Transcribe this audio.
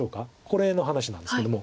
これの話なんですけども。